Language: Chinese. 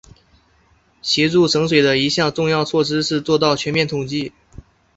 协助省水的一项重要措施是做到全面统计。